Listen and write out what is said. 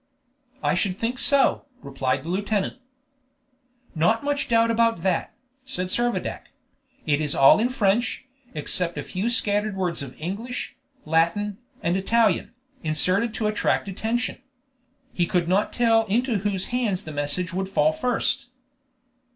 "I should think so," replied the lieutenant. "Not much doubt about that," said Servadac; "it is all in French, except a few scattered words of English, Latin, and Italian, inserted to attract attention. He could not tell into whose hands the message would fall first."